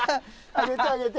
あげてあげて。